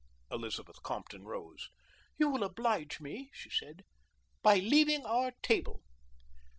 Elizabeth Compton rose. "You will oblige me," she said, "by leaving our table."